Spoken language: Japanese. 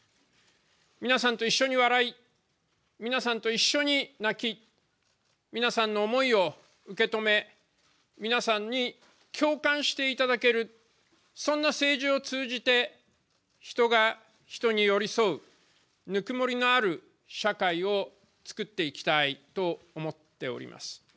皆さんと一緒に笑い、皆さんと一緒に泣き、皆さんの思いを受け止め、皆さんに共感していただけるそんな政治を通じて人が人に寄り添うぬくもりのある社会をつくっていきたいと思っております。